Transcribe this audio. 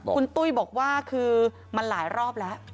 คุณตุ้ยบอกว่าคือมันหลายรอบแล้ว